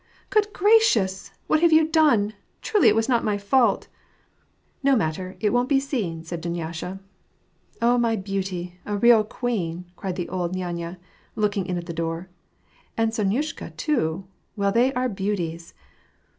" Good gracious ! what have you done ! Truly, it was not ray faylt !" "No matter; it won't be seen," said Dunyasha. " 0 my beauty ! a real queen !" cried the old nyanya, looking in at the door. " And Sonyushka too ; well, they are beauties